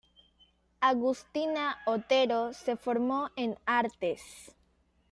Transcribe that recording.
Agustina Otero se formó en artes.